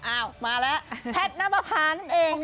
อ้าวมาแล้วแพทย์น้ำประพานั่นเอง